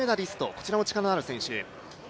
こちらも力のある選手。